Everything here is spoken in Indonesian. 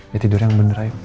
ya tidur yang bener ayo